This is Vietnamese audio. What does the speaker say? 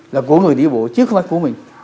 là của người đi bộ chứ không phải của mình